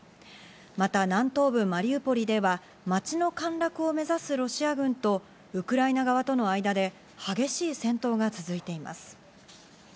また南東部マリウポリでは街の陥落を目指すロシア軍とウクライナ側との間で激しい戦闘が続いています。